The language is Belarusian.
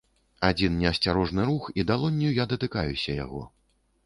Адзін неасцярожны рух, і далонню я датыкаюся яго.